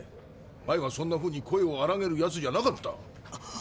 前はそんなふうに声をあらげるやつじゃなかった。